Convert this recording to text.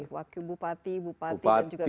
wakil bupati bupati dan juga kepala daerah sudah berapa